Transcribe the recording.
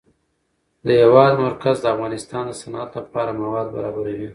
د هېواد مرکز د افغانستان د صنعت لپاره مواد برابروي.